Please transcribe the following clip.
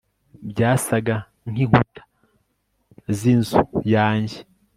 Byasaga nkinkuta zinzu yanjye